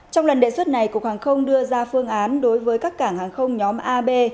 trong lần đề xuất này cục hàng không đưa ra phương án đối với các cảng hàng không nhóm ab